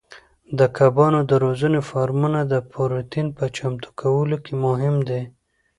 د کبانو د روزنې فارمونه د پروتین په چمتو کولو کې مهم دي.